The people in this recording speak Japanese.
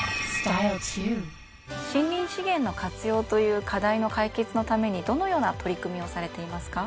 森林資源の活用という課題の解決のためにどのような取り組みをされていますか？